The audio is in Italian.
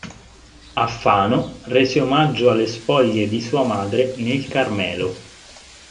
A Fano rese omaggio alle spoglie di sua madre nel Carmelo.